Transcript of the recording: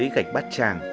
những gạch bát tràng